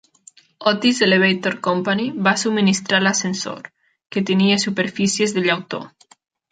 Otis Elevator Company va subministrar l'ascensor, que tenia superfícies de llautó